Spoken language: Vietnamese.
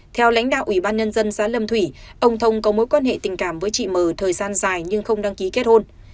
theo lãnh đạo ủy ban nhân dân xã lâm thủy ông thông có mối quan hệ tình cảm với chị mờ thời gian dài nhưng không đăng ký kết hôn